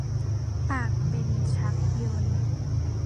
ปากเป็นชักยนต์